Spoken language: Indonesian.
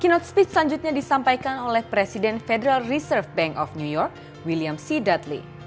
keynote speech selanjutnya disampaikan oleh presiden federal reserve bank of new york william sidadley